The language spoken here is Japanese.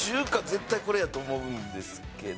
絶対これやと思うんですけど。